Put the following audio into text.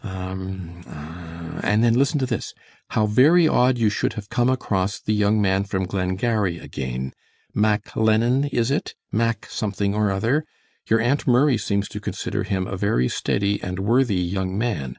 um um um And then listen to this! 'How very odd you should have come across the young man from Glengarry again Mac Lennon, is it? Mac something or other! Your Aunt Murray seems to consider him a very steady and worthy young man.